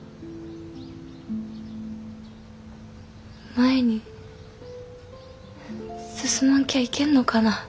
前に進まんきゃいけんのかな。